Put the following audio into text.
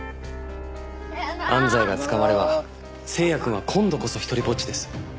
安西が捕まれば星也くんは今度こそ独りぼっちです。